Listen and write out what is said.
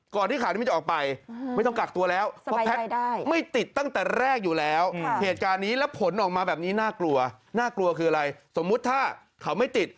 กลัวคืออะไรสมมุติถ้าเขาไม่ติด